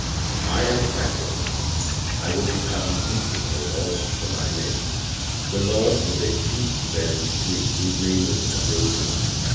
1 I am a sacrifice, I would be cut in pieces, Lord, for Thy name. The Lord is a fruit bearing tree whose name is ambrosia.